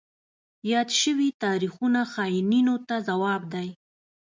یاد شوي تاریخونه خاینینو ته ځواب دی.